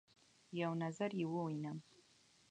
یو نظر يې ووینم